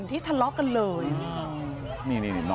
ตอนนี้ก็ไม่มีอัศวินทรีย์ที่สุดขึ้นแต่ก็ไม่มีอัศวินทรีย์ที่สุดขึ้น